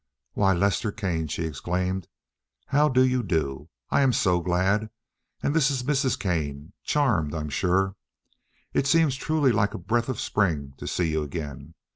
"Why, Lester Kane," she exclaimed. "How do you do! I am so glad. And this is Mrs. Kane? Charmed, I'm sure. It seems truly like a breath of spring to see you again.